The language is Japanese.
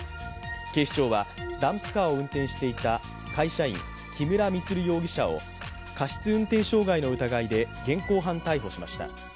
警視庁はダンプカーを運転していた会社員、木村充容疑者を過失運転傷害の疑いで現行犯逮捕しました。